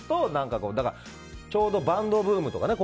ちょうどバンドブームとかね。